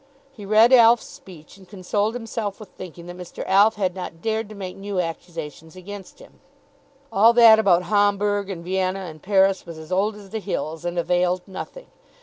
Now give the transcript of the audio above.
He read Alf's speech, and consoled himself with thinking that Mr. Alf had not dared to make new accusations against him. All that about Hamburgh and Vienna and Paris was as old as the hills, and availed nothing.